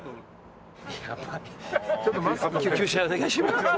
救急車お願いします。